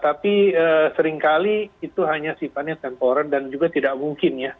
tapi seringkali itu hanya sifatnya temporer dan juga tidak mungkin ya